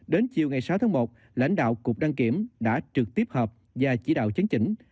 đến chiều ngày sáu tháng một lãnh đạo cục đăng kiểm đã trực tiếp họp và chỉ đạo chấn chỉnh